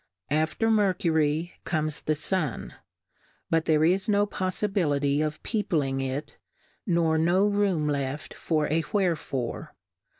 After Mercury y comes the Sun ; but there is no poffibility of Peopling it, nor no room left for a Wherefore.